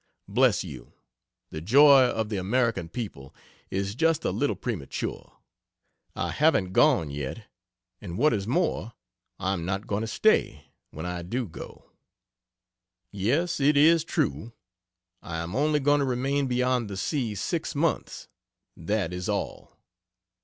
Bless you, the joy of the American people is just a little premature; I haven't gone yet. And what is more, I am not going to stay, when I do go. Yes, it is true. I am only going to remain beyond the sea, six months, that is all.